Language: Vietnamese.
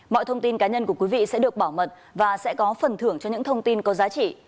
mọi thông tin cá nhân của quý vị sẽ được bảo mật và sẽ có phần thưởng cho những thông tin có giá trị